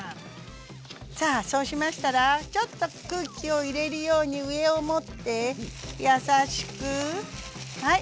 さあそうしましたらちょっと空気を入れるように上を持って優しくはい。